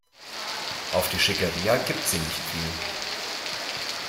Auf die Schickeria gibt sie nicht viel.